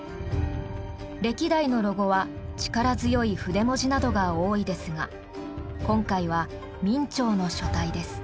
歴代のロゴは力強い筆文字などが多いですが今回は明朝の書体です。